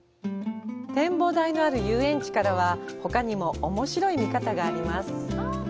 展望台のある遊園地からは、ほかにもおもしろい見方があります。